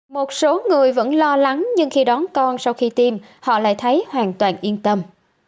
một số người vẫn lo lắng nhưng khi đón con sau khi tiêm họ lại thấy hoàn toàn yên tâm